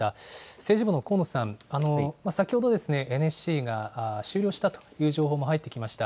政治部の高野さん、先ほどＮＳＣが終了したという情報も入ってきました。